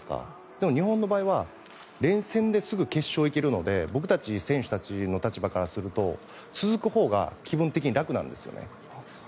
でも日本の場合は連戦ですぐ決勝に行けるので僕たち選手たちの立場からすると続くほうが気分的に楽なんです。